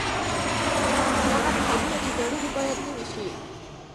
هغه نهادونه چې زاړه دي باید نوي سي.